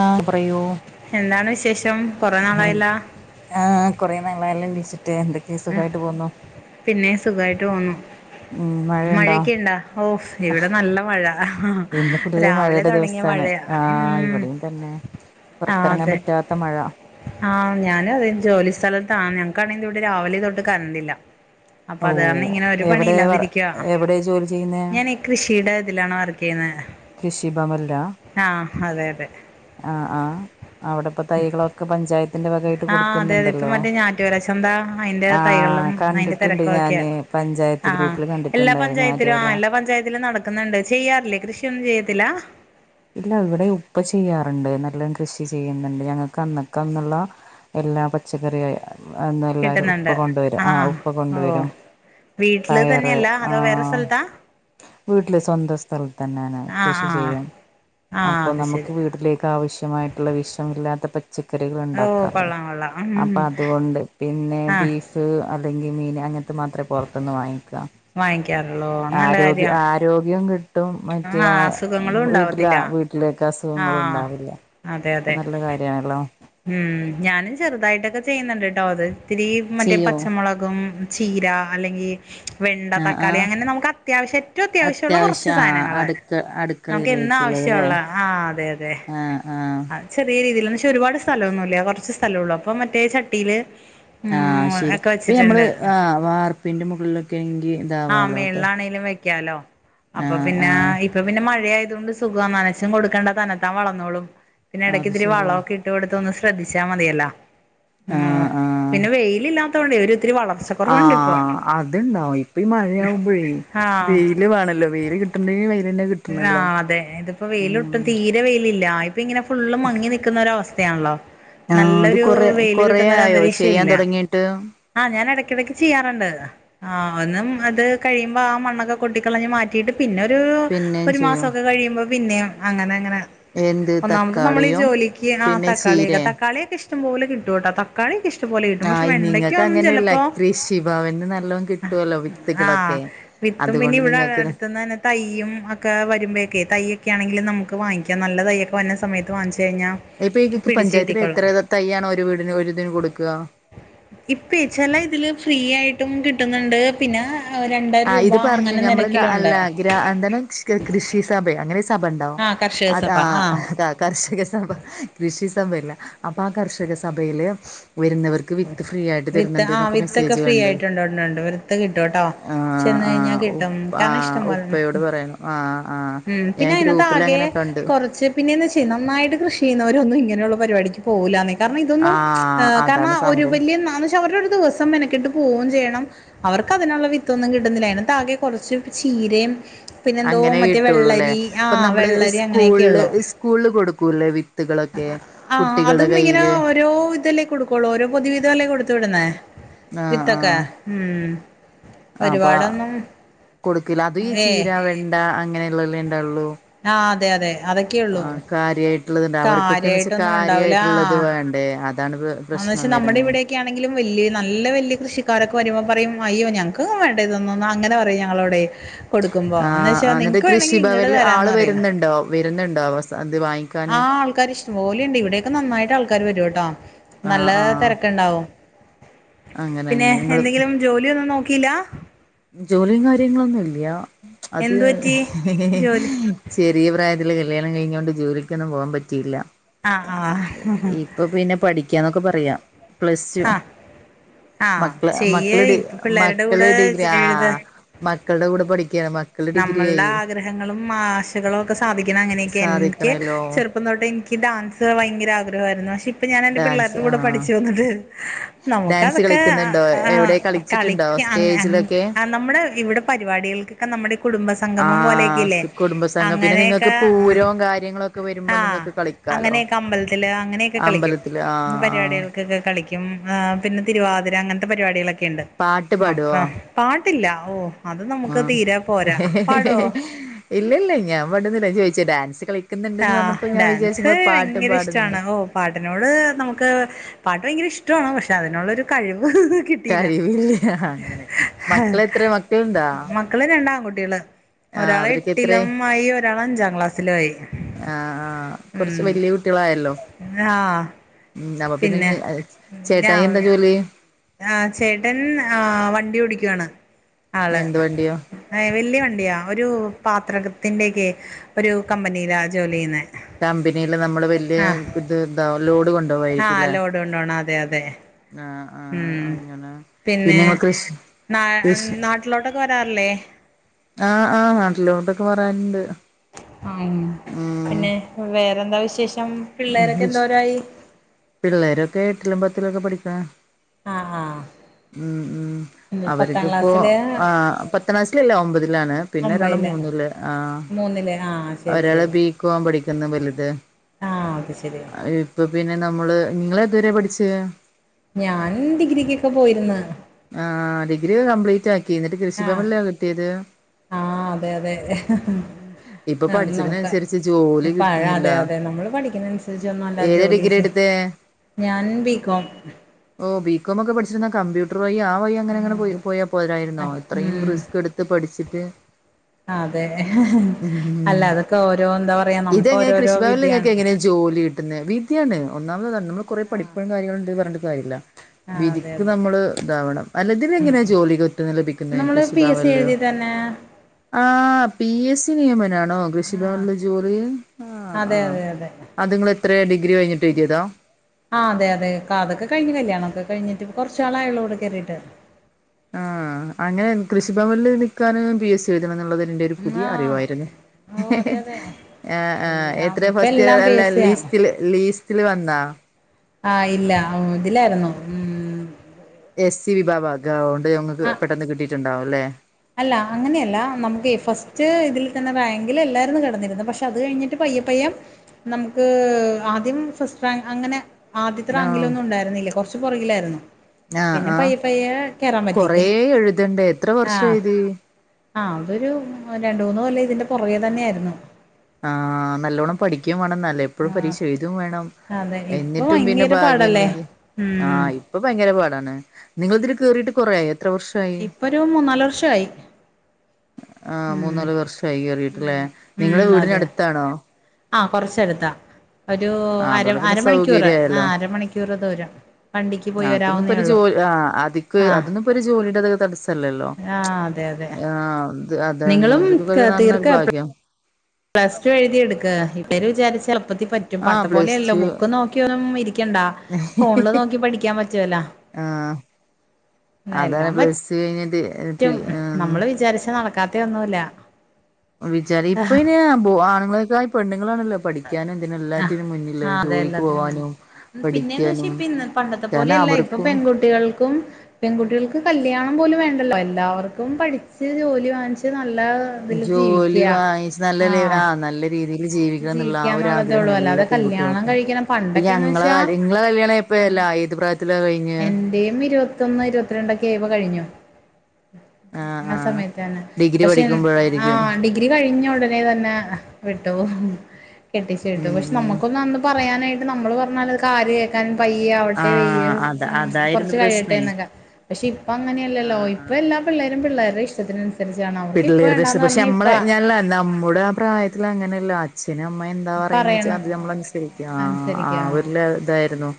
ആഹ് പറയൂ എന്താണ് വിശേഷം കൊറേ എ നാളായല്ല ആഹ് കൊറെ നാളായല്ലൊ വിളിച്ചിട്ട് എന്തൊക്കെ സുഖായിട്ട് പോന്നോ? പിന്നെ സുഖായിട്ട് പോവുന്നു. ഉം മഴയുണ്ടോ മഴൊക്കെ ഇണ്ടാ ഓഹ് ഇവിടെ നല്ല മഴ അഹ് ഇന്ന് ഫുള്ള് രാവിലെ മഴയുടെ തുടങ്ങിയ ദിവസാണ് മഴയാ. ആഹ് ഉം ഇവടിംതന്നെ ആഹ് പൊറത്തെറങ്ങാൻ അതെ പറ്റാത്ത മഴ. ആഹ് ഞാനു അതെ ജോലി സ്ഥലത്താണ് ഞങ്ങക്കാണെങ്കി ഇവടെ രാവിലെ തൊട്ട് കരണ്ടില്ല. അപ്പൊ ഓ അത് കാരണം ഇങ്ങനെ ഒരു പണി എവിടെ വർ ഇല്ലാതിരിക്കാ എവിടെ ജോലി ചെയ്യുന്നേ ഞാനെ. കൃഷിയുടെ ഇതിലാണ് വർക്കെയ്യുന്നെ. കൃഷിഭവൻലാ അതെ അതെ ആഹ് ആഹ്. അവ്ടെ പ്പൊ തൈകളൊക്കെ പഞ്ചായത്തിന്റെ വകായിട്ട് കൊട്ക്ക്ന്ന്ണ്ടല്ലോ. റ്റുരേശംന്താ. അ അയ്ന്റെ തൈകളും അയ്ന്റെ കണ്ടിട്ടുണ്ട് തെരക്കുകളൊക്കെയാ ഞാന് പഞ്ചായത്ത് ആഹ് ഗ്രൂപ്പിൽ എല്ലാ കണ്ടിട്ടുണ്ടായിരുന്നു ഞാൻ പഞ്ചായത്തിലും ആ ഇതുപോലെ എല്ലാ പഞ്ചായത്തിലും നട ക്കുന്നുണ്ട് ചെയ്യാറില്ലേ കൃഷിയൊന്നും ചെയ്യത്തില്ല. ഇല്ല ഇവിടെ ഉപ്പ ചെയ്യാറുണ്ട് നല്ലം കൃഷി ചെയ്യ്ന്നുണ്ട് ഞങ്ങക്ക് അന്നൊക്കന്നുള്ള. എല്ലാ പച്ചക്കറി അന്ന് എല്ലാരും കിട്ടുന്നുണ്ട് ഉപ്പ കൊണ്ടുവരും ആഹ് ഉപ്പ കൊണ്ടുവരും. വീട്ടില് പയറ് തന്നെയല്ല അതോ വേറെ ആഹ്. സ്ഥലത്താ വീട്ടില് സ്വന്തം സ്ഥലത്തന്നേണ് ആഹ് കൃഷി ആഹ് ചെയ്യും. ആഹ് അപ്പൊ അത് നമുക്ക് ശരി വീട്ടിലേക്ക് ആവ്ശ്യമായിട്ടുള്ള വിഷമില്ലാത്ത പച് ച്ചക്കറികൾ ഓഹ് ഉണ്ടാക്കാലോ കൊള്ളാം കൊള്ളാം അപ്പൊ ഉം അതുകൊണ്ട് പിന്നെ ആഹ് ബീഫ്. ത് അല്ലെങ്കി മീന് അങ്ങൻത്ത് മാത്രേ പൊർത്ത്ന്ന് വാങ്ങിക്ക വാങ്ങിക്കാറുള്ളൂ നല്ല ആരോഗ്യ കാര്യാ ആരോ രോഗ്യം കിട്ടും മറ്റേ ആഹ് ആ ഹ് അസുഖങ്ങളും മ്. ഉണ്ടാവത്തില്ല വീട്ടിലൊക്കെ ആഹ് അസുഖങ്ങളുണ്ടാവില്ല അതെ അതെ നല്ല കാര്യാണല്ലോ. ഉം ഞാനും ചെറുതായിട്ടൊക്കെ ചെയ്യുന്നുണ്ട്ട്ടോ അത് ഇത്തിരി മറ്റേ ചെയ്യോ പച്ചമൊളകും. ചീര അല്ലെങ്കി വെണ്ട, ആഹ് തക്കാളി ആഹ് അങ്ങനെ നമുക്ക് അത്യാവശ്യം ഏറ്റവും അത്യാവശ്യം മുള്ള കുറച്ച് ആഹ് സാധനങ്ങള്. അടുക്ക നമുക്ക് അടുക്കളയിലേക്കുള്ളതല്ലേ എന്നുംആവശ്യമുള്ള ആ അതെ അതെ ആഹ് ആഹ് അത് ചെറിയ രീതിയില് പക്ഷേ ഒരുപാട് സ്ഥലമൊന്നുമില്ല കുറച്ച് സ്ഥലമേ ഉള്ളു. അപ്പൊ മറ്റേ ചട്ടിയില് ആഹ് ഉം ശരി ഒക്കെ അപ്പൊ ഞമ്മള് വെച്ചിട്ടുണ്ട് ആ വാർപ്പിന്റെ മുകളിലൊക്കെങ്കി എന്താ ആ മേളിലാണേലും വെക്കാലോ അപ്പൊ ആഹ് പിന്നെ ആഹ് ഇപ്പൊ പിന്നെ മഴയായതുകൊണ്ട് സുഖവാ നനച്ചും കൊടുക്കണ്ട തന്നത്താൻ വളന്നോളും പിന്നെ ഇടയ്ക്ക് അത് ഇത്തിരി ശരിയാ വളമൊക്കെ യിട്ട് ടുത്തൊന്ന് ശ്രദ്ധിച്ചാ മതിയല്ലോ. ഉം ആഹ് ആഹ് പിന്നെ വെയിലില്ലാ ഒരിത്തിരി വളർച്ച കുറവുണ്ട് ഇപ്പോ. അതുണ്ടാവും ഇപ്പ ഈ മഴയാവുമ്പോഴേ ആഹ് വെയില് വേണല്ലോ വെയിൽ കിട്ടണ്ടെങ്കിൽ വെയിൽ തന്നെ ആഹ് അതെ ഇതിപ്പോ വെയിലൊട്ടു തീരെ ന്റെ വെയിലില്ല ഇപ്പൊ ഇങ്ങനെ ഫുള്ള് മങ്ങി നിക്കുന്ന ഒരവസ്ഥയാണല്ലോ? ആഹ് അത് നല്ലൊരു കൊറെ വെയില് കൊറേ കിട്ടുന്നൊരു ആയോ അന്തരീക്ഷം ചെയ്യാൻ ഇല്ല. തുടങ്ങിയിട്ട് ആഹ് ഞാൻ ഇടക്കിടക്ക് ചെയ്യാറുണ്ട്. ആ ഒന്നും അത് കഴിയുമ്പോ ആ മണ്ണൊക്കെ കൊട്ടിക്കളഞ്ഞഞ് മാറ്റി കറ്റീയിട്ട് പിന്നെ ഒരു പിന്നേം ഒരു മാസം ചെയ്യും ഒക്കെ കഴിയുമ്പോ പിന്നെ അങ്ങനെ അങ്ങനെ എന്ത് ഒന്നാമത് നമ്മൾ ഈ തക്കാളിയും ജോലിക്ക് ആ പിന്നെ തക്കാളിയൊക്കെ ചീരേ തക്കാളിയൊക്കെ ഇഷ്ടംപോലെ കിട്ടുംട്ടോ ത തക്കാളിയൊക്കെഇഷ്ടംപോലെ കിട്ടും പക്ഷെ ആഹ് വെണ്ടക്ക നിങ്ങൾക്ക് ഒന്നും അങ്ങനെയല്ല ചെലപ്പോ കൃഷിഭവനിന്ന് നല്ലോം കിട്ടുവല്ലോ ആഹ് വിത്തുകളൊക്കെ വിത്തും പിന്നെ അതുകൊണ്ട് ഇവിടെ നിങ്ങൾക്ക് അടുത്തുന്ന് തന്നെ തയ്യും ഒക്കെ വരുമ്പഴോക്കെ തൈയൊക്കെ ആണെങ്കില് നമുക്ക് വാങ്ങിക്കാം. നല്ല തയ്യൊക്കെ വരുന്ന സമയത്ത് വാങ്ങിച്ചു കഴിഞ്ഞാൽ ഇപ്പൊ ഈ പിടിച്ച് പഞ്ചായത്തില് കിട്ടിക്കോളും എത്ര തൈ ആണ് ഒരു വീടിന് ഒരുരിതിന് കൊടുക്കുക? ഇപ്പം ചെല ഇതില് ഫ്രീ ആയിട്ടും കിട്ടുന്നുണ്ട് പിന്നെ രണ്ടായിരം രൂപ അങ്ങനെ നിരക്കില് ഉണ്ട്. എന്തായാലും കൃഷി സഭ അങ്ങനെ സഭ ഉണ്ടാവും ആ കർഷക അത് സഭ ആ കർഷക സഭ കൃഷി സഭയല്ല അപ്പൊ ആ കർഷക സഭയില് വരുന്നവർക്ക് വിത്ത് ഫ്രീ ആയിട്ട് വിത്ത് തരുന്നുണ്ട് ആ എന്നൊക്കെ വിത്ത് ഒക്കെ മെസ്സേജ് ഫ്രീ കണ്ട് ആയിട്ട്ഉണ്ടാവും. കിട്ടുംട്ടോ ആഹ് ചെന്ന് കഴിഞ്ഞാൽ ആഹ് കിട്ടും ഉപ്പ കാരണം ആഹ് ഇഷ്ടം പോലെ ഉപ്പയോട് പറയണം ആഹ് ആഹ് ഉം ഞാൻ പിന്നെ അതിനകത്ത് ഗ്രൂപ്പിൽ ആകെ അങ്ങനെ കണ്ട് കുറച്ച് പിന്നെ എന്ന് വെച്ചാ നന്നായിട്ട് കൃഷി ചെയ്യുന്നവരൊന്നും ഇങ്ങനെയുള്ള പരിപാടിക്ക പോകുല്ലിന്നേ കാരണം ഇതൊന്നും ആഹ് കാരണം അതാണ് സംഭവം ന്ന് വെച്ച അവടെ ദിവസം മെനക്കിട്ട് പോവുകയും ചെയ്യണം അവർക്ക് അതിനുള്ള വിത്തൊന്നും കിട്ടുന്നില്ല അതിനകത്താകെ കുറച്ച് ചീരയും പിന്നെന്തോ അങ്ങനെ മറ്റേ കിട്ടുള്ളൂല്ലേ? വെള്ളരി അപ്പൊ ആഹ് നമ്മള് വെള്ളരി സ്കൂളില് അങ്ങനെയൊക്കെയുള്ളൂ സ്കൂളില് കൊടുക്കൂല്ലേ വി ത്തുകളളൊക്കെ ആഹ് കുട്ടികളുടെ അതും ഇങ്ങനെ കയ്യില്? ഓരോ ഇതല്ലേ കൊടുക്കോളൂ ഓരോ പൊതുവിധംല്ലേ കൊടുത്തു വിടുന്നേ ആഹ് വിത്തൊക്കെ? ആഹ് ഉം അപ്പൊ ഒരുപാടൊന്നും കൊടുക്കൂല അത് ഈ ഏയ് ചീര, വെണ്ട, അങ്ങനെയുള്ളതല്ലേ ഉണ്ടാവുള്ളു. ആഹ് അതെ അതെ ആ അതൊക്കെയുള്ളൂ കാര്യായിട്ടുള്ളതുണ്ട് അവർക്കൊക്കെന്ന് വച്ചാൽ കാര്യായിട്ടൊന്നും കാര്യായിട്ടുള്ളത് വേണ്ടേ? തണുപ്പ് ആന്ന് വെച്ചാ നമ്മുടെ ഇവിടെ ആണെങ്കിലും വലിയ നല്ല വലിയ കൃഷിക്കാരൊക്കെ വരുമ്പോ പറയും അയ്യോ ഞങ്ങക്ക് വേണ്ട ഇതൊന്നും അങ്ങനെ പറയാ. ഞങ്ങളോട് ആഹ് അത് കൃഷി ഭവനില് ആ തരാന്ന് ബ് പറയും വരുന്നുണ്ടോ വരുന്നുണ്ടോ അത് വാങ്ങി ആ ആൾക്കാര് ഇഷ്ടംപോലീണ്ട് ഇവിടെയൊക്കെ നന്നായിട്ട് ആൾക്കാര് വരോട്ടോ. ആഹ് നല്ല ആഹ് തിരക്കുണ്ടാവും. അങ്ങനെ പിന്നെ അങ്ങനെ നിങ്ങള് എന്തെങ്കിലും ജോലി ഒന്നും നോക്കിയില്ല? ജോലിയും കാര്യങ്ങളൊന്നും ഇല്ല. അത് എന്ത് പറ്റി ജോലി ചെറിയ പ്രായത്തില് കല്യാണം കഴിഞ്ഞോണ്ട് ജോലിക്കൊന്നും പോവാൻ പറ്റില്ല. ആഹ് ആഹ് അപ്പൊ പിന്നെ പഠിക്കാന്നൊക്കെ പറയാം. പ്ലസ് ടു ആഹ് ആഹ് മക്കളെ ചെയ്യ് മക്കള് ഡി ഇപ്പ പിള്ളേരുടെ മക്കളെ കൂടെ ഡിഗ്രി എഴുത് മക്കളുടെ കൂടെ പഠിക്കുകയാണ്. മക്ക നമ്മളുടെ ആഗ്രഹങ്ങളും ആശകളും ഒക്കെ സാധിക്കണം അങ്ങനെയൊക്കെ എനിക്ക് സാധിക്കണല്ലോ ചെറു റുപ്പം തൊട്ട് എനിക്ക് ഡാൻസ് ഭയങ്കര ആഗ്രഹമായിരുന്നു. പക്ഷേ ഇപ്പൊ ഞാൻ എന്റെ ഡാൻസ് പിള്ളേരുടെകൂടെ ആഹ് പഠിച്ചു വന്നിട്ട് നമുക്ക ഡാൻസ് അതൊക്കെ അ കളിക്കുന്നുണ്ടോ എവിടെ ആ കളിച്ചിട്ടുണ്ടോ കളിക്ക അങ്ങ് അങ്ങ് സ്റ്റേജിലൊക്കെ നമ്മുടെ ഇവിടെ പരിപാടികൾക്കൊക്കെ നമ്മുടെ കുടുംബസ സംഗമം പോലൊക്കെയില്ലേ ആഹ് കുടുംബസംഘം പിന്നെ നിങ്ങൾക്ക് അങ്ങനെയൊക്കെ പൂരവും കാര്യങ്ങളൊക്കെ വരുമ്പോ ആഹ നിങ്ങൾക്ക് കളിക്കാലോ അങ്ങനെയൊക്കെ അമ്പലത്തില് അങ്ങനെയൊക്കെ കളിക്കും അമ്പലത്തില് ആഹ് ആഹ് പരിപാടികൾക്കൊക്കെ കളിക്കും. ക്കും പിന്നെ തിരുവാതിര അങ്ങനത്തെ പരിപാടികളൊക്കെ ഇണ്ട് പാട്ട് അപ്പ പാടുവോ പാട്ടില്ല ഓ- അത് നമുക്ക് തീര ഇല്ലല്ല ഞാൻ വടുന്നില്ല ചോയിച്ചേ ഡാൻസ് കളി ആഹ ഡാൻസ് വയങ്കര പാടുന്നുണ്ട് ഇഷ്ടാണ് ഓ- പാട്ടിനോട് നമുക്ക് പാട്ട് വയങ്കര ഇഷ്ടാണ് പക്ഷെ അതിനൊള്ളൊരു കഴിവ് കി കഴിവില്ല അങ്ങനെ മക്കളെത്ര മക്കളേണ്ട. മക്കള് രണ്ട് ആൺകുട്ടികള് ഒരാള് എത്രേ എട്ടിലും ആയി ഒരാൾ അഞ്ചാം ക്ലാസ്സിലും ആയി ആഹ് ആഹ കുറച്ച് ഉം വല്ിയ കുട്ടികളായല്ലോ. ആഹ് ഉം അപ്പ പിന്നെ ചേട്ടായി എന്താ ജോലി. ആ ചേട്ടൻ ആ വണ്ടി ഓടിക്കുവാണ് ആള്. എന്ത് വണ്ടിയാ ഏ വലിയ വണ്ടിയാ ഒരു പാത്രകത്തിന്റെക്കെ ഒരു കമ്പനില ജോലി ചെയ്യുന്നേ കമ്പനില് നമ്മള് വല്യയ ഇത് ഇതാ ലോഡ് കൊണ്ടോവായിരിക്കുലെ കോണ്ടോണ അതെ അതെ ആ ഉം പിന്നെ കൃഷി ന കൃഷി നാട്ടിലോട്ടൊക്കെ വരാറില്ലേ. ആഹ് ആഹ് നാട്ടിലൊട്ടൊക്കെ വരാറുണ്ട് ഉം ഉം പിന്നെ വേറെന്താ വിശേഷം പിള്ളേരൊക്കെ എന്തോരായി പിള്ളേരൊക്കെ എട്ടിലും പത്തിലൊക്കെ പടിക്കണ്. ആഹ് ആഹ് ഉം ഉം ഉം പത്താം അവർക്ക്ിപ്പോ ക്ലാസ്സില് ആ പത്താംക്ലാസിലല്ല ഒമ്പതിലാണ്. പിന്നെ ഒരാള് ഒമ്പയില് മൂന്നില് ആ മൂന്നില് ആഹ് ശരി ഒരാള് ബി കോം പഠിക്കുന്നു വലുത്. ആഹ അത് ശെരിയ അപ്പൊ പിന്നെ നമ്മള് നിങ്ങളെതുവരെ പഠിച്ചേ? ഞാൻ ഡിഗ്രിക്കൊക്കെ പോയിരുന്ന്. ആഹ് ഡിഗ്രി കംപ്ലീറ്റ് ആക്കി എന്നിട്ട് കൃഷിഭവനില കിട്ടിത് ആ അതെ അതെ. ഇപ്പൊ ആഹ് നോക്കാം പഠിച്ചതിനനുസരിച്ച് ജോലി പഴ കിട്ടുന്നില്ല അതെ അതെ നമ്മള് പഠിക്കുന്നെ അനുസരിച്ചൊന്നും അല്ല ജോലി ചെയ് അതെ. ഞാൻ ബി കോം ഓ ബി കോംമൊക്കെ പഠിച്ചിരുന്ന കമ്പ്യൂ എത്ര വയി ആ വയി അങ്ങനെ അങ്ങനെ പോ പോയാൽ പോരായിരുന്നോ ഇത്രയും ഉം റിസ്ക് എടുത്ത് പഠിച്ചിട്ട്. അതെ അല്ല ഉം അതൊക്കെ ഓരോ എന്താ പറയാ നമുക്ക് ഓരോരോ വിദ്യ ഇങ്ങനെ ജോലി കിട്ടുന്നെ വിധിയാണ് ഒന്നാമതാണ് നമ്മള് കുറെ ആഹ് പഠിപ്പും കാര്യങ്ങളുണ്ടെന്ന് പറഞ്ഞിട്ട് കാര്യല്ല ആഹ് അതെ വിധിക്ക് അതെ നമ്മള് [unintelligible] അല്ല ഇതിലെങ്ങനെ ജോലി കിട്ടുന്നെ ലഭിക്കുന്ന നമ്മള് പി എസ് സി കൃഷിഭവൻല് എഴുതി തന്നെ ആഹ് പി എ സി നിയമനാണോ? ആഹ് കൃഷിഭവൻലെ ജോലി ആ ആ അതെ അതെ അതെ അത് നിങ്ങള് എത്ര ഡിഗ്രി കഴിഞ്ഞിട്ട് എഴുതിയതാ. ആഹ് അതെ അതെ അതൊക്കെ കഴിഞ്ഞ് കല്യാണം ഒക്ക കഴിഞ്ഞിട്ട് കൊറച്ച് നാളായുള്ളൂടെ കയറിയിട്ട് ആഹ് അങ്ങനെ കൃഷിഭവനില് നിൽക്കാൻ പി എസ് സി എഴുതണം എന്നുള്ളത് എൻ്റെ ഒരു പുതിയ ആഹ് അറിവായിരുന്നു ഓ ഹ് അതെ ഹ് അതെ അ എല്ലാം ആഎത്രെ ഇപ്പ ഫസറ്റിന് എല്ലാം നല്ല പേസിയാണ് ലീസ്റ്റില് ലീസ്റ്റില് വന്ന ആഹ ഇല്ല ഉം ഇതിലായിരുന്നു. ഉം എ സി വിഭാവഗഓണ്ട് നിങ്ങക്ക് ആഹ് പെട്ടെന്ന് കിട്ടിട്ടുണ്ടാവുല്ലേ. അല്ല അങ്ങനെയല്ല നമുക്കെ ഫസ്റ്റ് ഇതിൽ തന്നെ റാങ്കിലല്ലായിരുന്നു കിടന്നിരുന്നേ പക്ഷേ അത്കഴിഞ്ഞിട്ട് പയ്യേ പയ്യേ നമുക്ക് ആദ്യം ഫസ്റ്റ് റാങ്ക് അങ്ങനെ. ആദ്യത്തെ ആഹ് റാങ്കിലൊന്നും ഉണ്ടായിരുന്നില്ല കൊറച്ചു പുറകിലായിരുന്നു. ആഹ് പിന്നെ ആഹ് പയ്യേ പയ്യേ കേറാൻ പറ്റി കൊറേ എഴുതണ്ടേ എത്ര വർഷം ആഹ. എഴുതി ആ അതൊരു രണ്ടു മൂന്നു കൊല്ലം ഇതിന്റെ പുറകെ തന്നെയായിരുന്നു. ആ് നല്ലോണ്ണം പഠിക്കുകൻ വേണംന്നല്ലേ എപ്പോഴും പരീക്ഷ എഴുതും വേണം അതെ ഇപ്പൊ എന്നിട്ടും പിന്നെ ഭയങ്കര ഭാഗ്യം പാടല്ലേ ഇണ്ടെങ്കി ആ ഉം പ്പൊ ഭയങ്കര പാടാണ് നിങ്ങള് തില് കേറീട്ട് കൊറേയോ? എത്ര വർഷം? ഇപ്പൊ ഒരു മൂന്നാല് വർഷായി. ആഹ് മൂന്നാല് വർഷായികേറീട്ട്ലെ ഉം നിങ്ങളെ ഉം അതെ വീടിനടുത്താണോ. ആ കുറച്ചടുത്താ. ഒരു ആഹ് അര അതോണ്ട് പിന്നെ അരമണിക്കൂറ് ആ സൗകര്യായല്ലോ അരമണിക്കൂറ് ദൂരം വണ്ടിക്ക് പോയി ആഹ് അതൊന്നും വരാവുന്നേ ഇപ്പൊ ഒരു ഉള്ളു. ജോലി ആഹ് അതിക്ക് അതൊന്നുപ്പോ ഒരു ജോലിയുടെത്ക്ക് തടസ്സല്ലല്ലോ ആ അതെ അതെ ആഹ് അ നിങ്ങളും അതന്നക്ക [unintelligible] കഴ നല്ലൊരു തീർക്ക ഭാഗ്യം പ്ലസ് ടു എഴുതിട്ക്ക ഇവടെന്ന് വിചരിച്ച എളുത്തിപ്പ പറ്റ ആഹ് പണ്ട് പ്ലസ് പോലെയല്ല ടു ബുക്ക് നോക്കി ഒന്നും ഇരിക്കണ്ട ഫോണില് നോക്കി പഠിക്കാൻ പറ്റോലോ. ആഹ് അതാണ് പ്ലസ്ടു കഴിഞ്ഞിട്ട് പി റ്റും നമ്മള് വിചാരിച്ച നടക്കാത്ത ഒന്നൂല്ല. വിചാരി ഇപ്പ അയിന് ആണുങ്ങളെക്കായി പെണ്ണുങ്ങളാണല്ലോ പഠിക്ക ഠിക്കാനുതിനും ആഹ് എല്ലാറ്റിനും മുന്നില് ആഹ് അതെ ജോലിക്ക് എല്ലാത്തിനും വേണം പോവാനും പിന്നെന്ന് പഠിക്കാനും വെച്ചാ പണ്ടത്തെ കാരണം പോലെയല്ല ഇപ്പൊ അവർക്കും പെൺകുട്ടികൾക്കും പെൺകുട്ടികൾക്ക് കല്യാണം പോലും വേണ്ടല്ലോ. എല്ലാവർക്കും പഠിച്ച് ജോലി വാങ്ങിച്ച് ച്ച് നല്ല ഇതില് ജോലി ജീവിക്ക്യാ വാങ്ങച്ച് നല്ല ആഹ് ആ നല്ല രീതിയിക്ക് ജീവിക്കണന്ന്ള്ള ആ ഒരാഗ്രഹ ജീവിക്കാന്നുള്ളതേ ഉള്ളൂ ആഗ്രഹ [unintelligible] എല്ലാ അല്ലാതെ പെൺകുട്ടികളും കല്യാണം കഴിക്കണം പ്പ പണ്ടൊക്കെന്ന് ഞങ്ങളെ വെച്ചാ കല്ല്യ ങ്ങളെ കല്യാണ പ്പല്ലാ ഏത് പ്രിയത്തിലാ കഴിഞ്ഞ്. [unintelligible] ഇം ഇരുപത്തൊന്ന് ഇരുത്തിരണ്ടൊക്കെ ആയപൊ കഴിഞ്ഞു. [unintelligible] ആ സമയത്തന്നെ ഡിഗ്രി പക്ഷെ ആ പഠിക്കുമ്പോഴായിരിക്കും ഡിഗ ഡിഗ്രി കഴിഞ്ഞ ഉടനെ തന്നെ വിട്ടു കെട്ടിച്ചു വിട്ടു ഉം പക്ഷെ ഉം നമുക്ക് ഇപ്പൊ അന്ന് പറയാനായിട്ട് നമ്മള് പറഞ്ഞാലൊകാര് കേൾക്കാൻ പയ്യെ ആ ആവട്ടെ വെയ്യ് അത ഉം അതായിരുന്നു കൊറച്ച് കഴിയട്ടെ പ്രശ്നേ ന്നൊക്കെ പക്ഷെ ഇപ്പ ആ അങ്ങനെല്ലല്ലോ ഇപ്പൊ ആ എല്ലാ പിള്ളേരും പിള്ളേരുടെ ഇഷ്ടത്തിന്. പിള്ള [unintelligible] ഒരു ദശം പക്ഷെ നമ്മളെ ഞല്ല നമ്മുടെ ആ പ്രായത്തി അങ്ങനെയല്ല. അച്ഛനുമ്മ എന്താ പറയന്ന് വെച്ചാ പറയണ അത് നമ്മൾ അനുസരിക്കാ ആ ആ് അനുസരിക്കാം ഒര്തായിരുന്നു.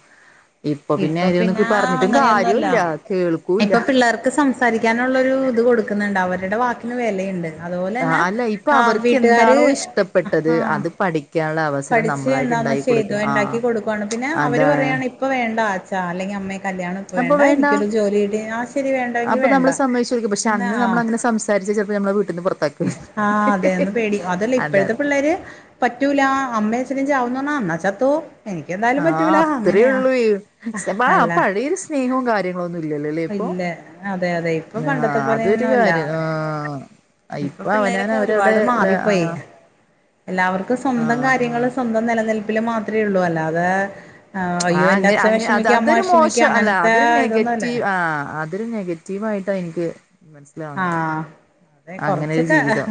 ഇപ്പൊ പിന്നെ അവരെന്നും പറഞ്ഞിട്ടു കാര്യല്ല കേൾക്കൂല്ല. എല്ലർക്ക [unintelligible] സം സംസാരിക്കാനുള്ളൊരുത് കൊടുക്കുന്നുണ്ട് അവരുടെ വാക്കിന് വെലെണ്ട്. അതുപോലെന്നെ അല്ല ഇപ്പൊ ആ അവർക്ക് വീട്ടുകാര് എന്താണോ ഇഷ്ടപ്പെട്ടത് അത് പഠിക്കാനൻള്ള അവ പഠിച്ച് എന്താന്ന്ചെയ്തു ണ്ടാക്കികൊടുക്കുവാണ്. പിന്നെ അവര് അതാണ് പറയാണ് ഇപ്പൊ വേണ്ട അച്ചാ അല്ലെങ്കിൽ അമ്മെ കല്യാണം വേണ്ട എനിക്കൊരു ജോലികിട്ടി ആ ശരി അപ്പൊ വേണ്ടെങ്കിവേണ്ട നമ്മള് സമ്മതിച്ചു കൊടുക്കും പക്ഷെ എന്ന അന്ന് ആ നമ്മൾ അങ്ങനെ സംസാരിച്ച ചിലപ്പോ നമ്മളെ വീട്ടിൽ നിന്ന് പുറത്താക്കുവായിരുന്നു ആഹ് അതെ പേടി അതല്ലേ ഇപ്പഴത്തെ അതാണ് പിള്ളേര് പറ്റൂലാ അമ്മേച്ചനുചാവുന്ന്റഞാ അന്നാച്ചത്തോ. എനിക്ക് എന്തായാലും ആഹ് പറ്റൂലാ അത്രേ അങ്ങനെയാ ഉള്ളൂ ആ അല്ല പഴയൊരു സ്നേഹവും കാര്യങ്ങളൊന്നും ഇല്ലല്ലോല്ലേ ഇപ്പൊ ഇല്ല അതെ അതെ ഇപ്പൊ പണ്ടത്തെ ആഹ് അതൊരു പോലെന്നൊല്ല. കാര്യം ആഹ് ഇപ്പൊ അവനാന് പിള്ളേരൊക്കെ അവരവിടെ ഒരുപാട് മാറിപ്പോയി. ആഹ് എല്ലാവർക്കും സ്വന്തം ആഹ് ആഹ് കാര്യങ്ങള് ആഹ് സ്വന്തം നിലനിൽപ്പില് മാത്രേള്ളൂ. അല്ലാതെ ആ, അയ്യോ എന്റെ ആഹ് അ അച്ഛൻ അത് വിഷമിക്കും അമ്മ അതൊരു വിഷമിക്കും മോശം അല്ല അങ്ങനത്തെ അതൊരു ഇതൊന്നുമല്ല നെഗറ്റീ ആ ഒരു നെഗറ്റീവായിട്ട ഇനിക്ക് ആഹ് അതെ കൊറച്ചൊക്കെ ജീവിതം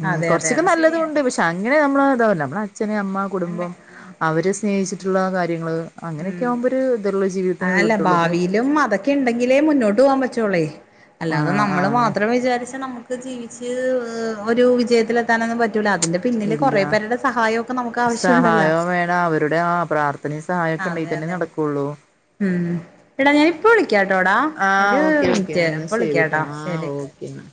ഉം അതെ അതെ കൊറച്ചൊക്കെ അത് നല്ലതൂണ്ട് ശരിയാണ് പക്ഷെ അങ്ങനെ നമ്മളതാവൂല നമ്മള് അച്ഛന് അമ്മ കുടുംബം അവര് സ്നേഹിച്ചിട്ടുള്ള കാര്യങ്ങള് അങ്ങനെയൊക്കെ ആകുമ്പോരു തൊള്ളു ജീവിതത്തിന് ത് കിട്ടോള്ളു ന്നാലും അതൊക്കെ ഉണ്ടെങ്കിലേ മുന്നോട്ട് പോകാം പറ്റൊള്ളെയ് അല്ലാതെ ആഹ് നമ്മൾ ആഹ് മാത്രം വിചാരിച്ച ന ക്കെ ജീവിച്ച് ഒരു വിജയത്തില ത്താനാെന്നും പറ്റൂല അതിന്റെ പിന്നില് ഇല്ല കൊറേ പേര്ടെ സഹായം ഒക്കെ നമുക്കാവശ്യമുണ്ടല്ലാ വേണാവ് രുടെ ആഹ് പ്രാർത്ഥനയും സഹായം ഒക്കെണ്ടെങ്കി അതെ തന്നെ അതെ നടക്കാെള്ളൂ ഉം എടാ ഞാൻ ഇപ്പൊ വിളിക്കാംട്ടോടാ ആഹ് ഒര് മിൻറ്റേരം ഇപ്പ വിളിക്കാട്ടോ ശെരി ഓക്കെന്നാ